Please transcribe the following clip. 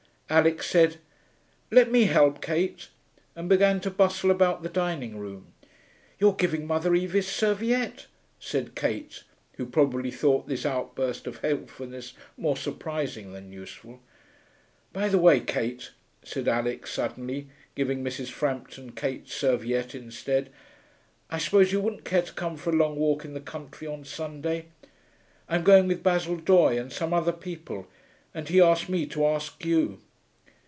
Alix said, 'Let me help, Kate,' and began to bustle about the dining room. 'You're giving mother Evie's serviette,' said Kate, who probably thought this outburst of helpfulness more surprising than useful. 'By the way, Kate,' said Alix suddenly, giving Mrs. Frampton Kate's serviette instead, 'I suppose you wouldn't care to come for a long walk in the country on Sunday? I'm going with Basil Doye and some other people, and he asked me to ask you.'